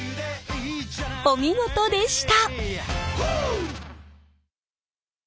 お見事でした！